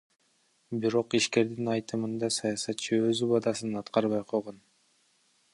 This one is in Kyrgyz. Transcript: Бирок ишкердин айтымында саясатчы өз убадасын аткарбай койгон.